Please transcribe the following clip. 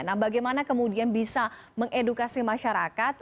nah bagaimana kemudian bisa mengedukasi masyarakat